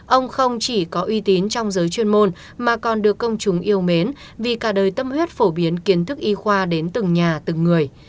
ông không chỉ có uy tín trong giới chuyên môn mà còn được công chúng yêu mến vì cả đời tâm huyết phổ biến kiến thức y khoa đến từng nhà từng người